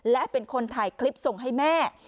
และเป็นคนถ่ายคลิปส่งให้แม่